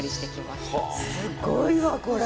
すごいわこれ。